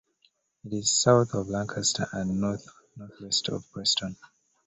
It is south of Lancaster and north-northwest of Preston.